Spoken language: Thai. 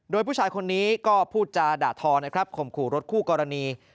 โดยผู้ชายคนนี้ก็พูดจาด่าทอนะครับข่มขู่รถคู่กรณี